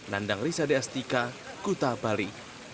nandang risa deastika kuta bali